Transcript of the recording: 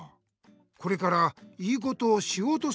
これから良いことをしようとするとき。